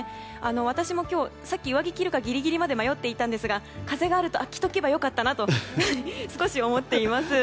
私も今日、さっき上着を着るかぎりぎりまで迷っていたんですが、風があるとああ、着ておけばよかったなと少し思っています。